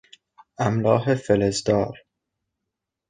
املاح فلزدار